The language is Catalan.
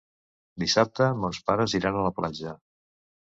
Dissabte mons pares iran a la platja.